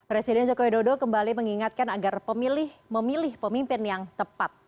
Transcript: presiden jokowi dodo kembali mengingatkan agar pemilih memilih pemimpin yang tepat